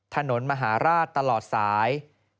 ถนนมหาราชตลอดสาย